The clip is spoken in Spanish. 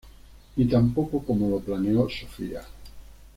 Ni tampoco como lo planeó Sofía.